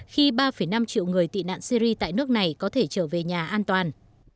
khi ba năm triệu người tị nạn syri tại nước này có thể trở về nhà an toàn